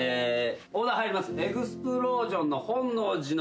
オーダー入ります。